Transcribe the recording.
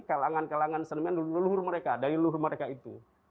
kalangan kalangan seniman leluhur mereka dari leluhur mereka itu